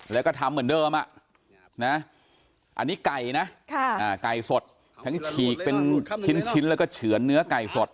แล้วก็ทำเหมือนเดิมอันนี้ไก่นะไก่สดทั้งฉีกเป็นชิ้นแล้วก็เฉือนเนื้อไก่สด